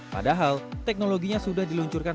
padahal teknologi rumah tahan gempa yang dikembangkan